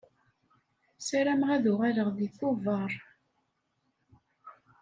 Ssarameɣ ad uɣaleɣ deg Tubeṛ.